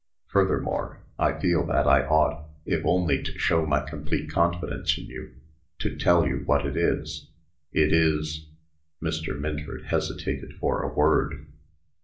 Furthermore, I feel that I ought, if only to show my complete confidence in you, to tell you what it is. It is " Mr. Minford hesitated for a word.